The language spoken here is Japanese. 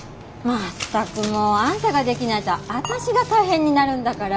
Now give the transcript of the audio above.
あんたができないと私が大変になるんだから。